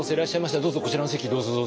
どうぞこちらの席どうぞどうぞ。